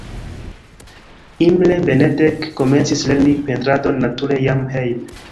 Imre Benedek komencis lerni pentradon nature jam hejme.